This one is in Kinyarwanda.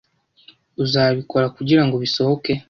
Uzabikora kugirango bisohoke?